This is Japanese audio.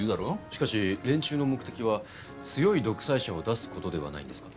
しかし連中の目的は強い独裁者を出す事ではないんですか？